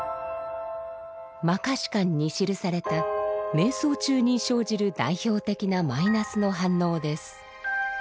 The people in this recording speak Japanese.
「摩訶止観」に記された瞑想中に生じる代表的なマイナスの反応です。